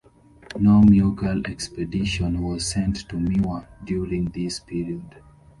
No Mughal expedition was sent to Mewar during this period.